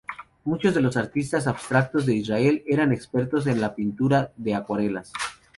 Muchos de los artistas abstractos de Israel eran expertos en la pintura de acuarelas.